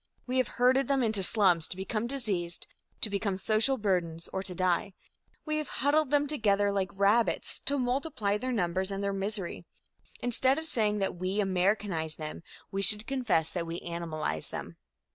We have herded them into slums to become diseased, to become social burdens or to die. We have huddled them together like rabbits to multiply their numbers and their misery. Instead of saying that we Americanize them, we should confess that we animalize them.